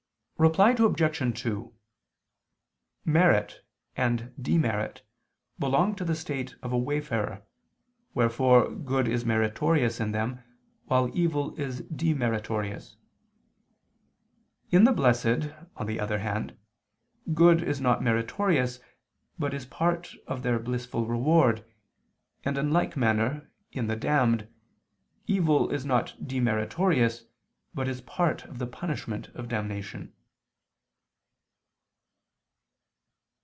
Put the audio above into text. Reply Obj. 2: Merit and demerit belong to the state of a wayfarer, wherefore good is meritorious in them, while evil is demeritorious. In the blessed, on the other hand, good is not meritorious, but is part of their blissful reward, and, in like manner, in the damned, evil is not demeritorious, but is part of the punishment of damnation.